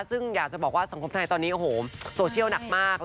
ซึ่งอยากจะบอกว่าสังคมไทยตอนนี้โอ้โหโซเชียลหนักมาก